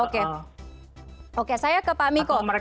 oke oke saya ke pak miko